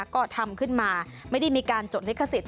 ก็ทำขึ้นมาไม่ได้มีการจดลิขสิทธ